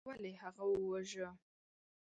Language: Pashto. تا ولې هغه وواژه.